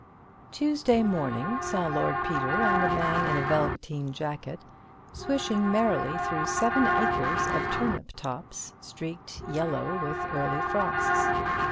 Tuesday morning saw Lord Peter and a man in a velveteen jacket swishing merrily through seven acres of turnip tops, streaked yellow with early frosts.